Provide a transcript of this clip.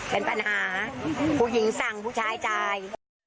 เป็นปัญหาผู้หญิงสั่งผู้ชายจ่าย